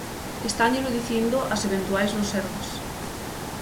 Estánllelo dicindo as eventuais do Sergas.